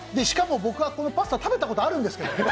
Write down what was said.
しかも僕はこのパスタ、食べたことあるんですけど！